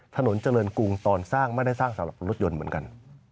ถนนเจริญกรุงตอนสร้างไม่ได้สร้างสำหรับรถยนต์เหมือนกัน